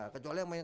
kecuali yang main